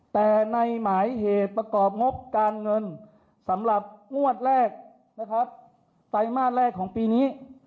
แต่ในหมายเหตุประกอบงบการเงินสำหรับงวดแรกนะครับไตรมาสแรกของปีนี้